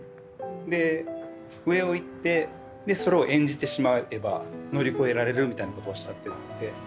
で上をいってでそれを演じてしまえば乗り越えられるみたいなことをおっしゃってたので。